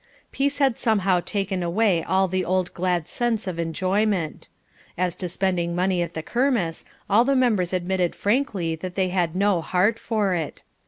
Peace had somehow taken away all the old glad sense of enjoyment. As to spending money at the Kermesse all the members admitted frankly that they had no heart for it.